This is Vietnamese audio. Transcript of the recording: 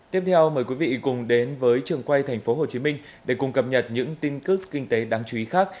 tiếp theo mời quý vị cùng đến với trường quay tp hcm để cùng cập nhật những tin cước kinh tế đáng chú ý khác